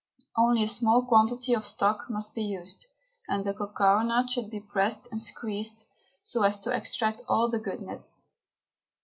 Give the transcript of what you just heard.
Only a small quantity of stock must be used, and the cocoanut should be pressed and squeezed, so as to extract all the goodness.